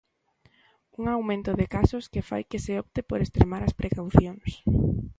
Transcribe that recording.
Un aumento de casos que fai que se opte por extremar as precaucións.